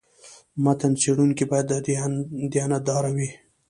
متن څېړونکی باید دیانت داره وي.